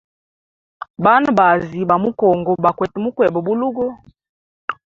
Bana baazi ba mu congo bakwete mukweba bulugo.